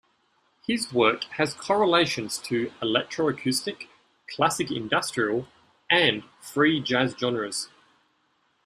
His work has correlations to electroacoustic, classic industrial and free jazz genres.